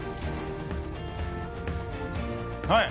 はい！